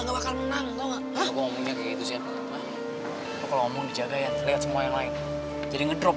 awalnya tadi gue mah ada liat loh